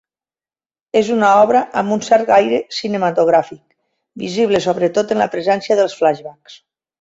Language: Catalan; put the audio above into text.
És una obra amb un cert aire cinematogràfic, visible sobretot en la presència dels flashbacks.